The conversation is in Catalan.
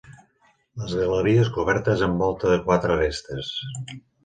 Les galeries cobertes amb volta de quatre arestes.